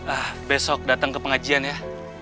ah besok datang ke pengajian ya